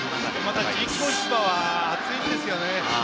また人工芝は暑いんですよね。